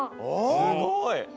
すごい！